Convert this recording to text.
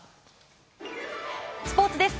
スポーツです。